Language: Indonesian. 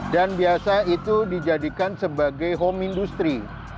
dan biasa itu dijadikan sebagai home industry